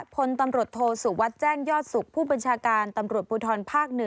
พลตำรวจโทสุวัสดิ์แจ้งยอดสุขผู้บัญชาการตำรวจภูทรภาค๑